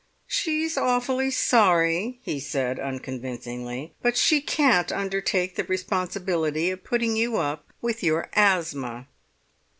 "She's awfully sorry," he said unconvincingly, "but she can't undertake the responsibility of putting you up with your asthma."